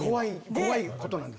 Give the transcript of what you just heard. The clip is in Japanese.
怖いことなんですか。